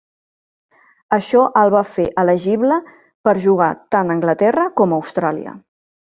Això el va fer elegible per jugar tant a Anglaterra com a Austràlia.